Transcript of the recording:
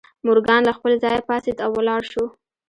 مورګان له خپل ځایه پاڅېد او ولاړ شو